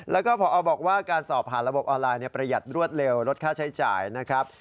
แล้วก็พอบอกว่าการสอบผ่านระบบออนไลน์ประหยัดรวดเร็วลดค่าใช้จ่ายนะครับ